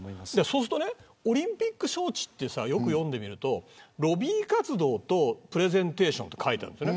そうするとオリンピック招致をよく読んでみるとロビー活動とプレゼンテーションと書いてあるんです。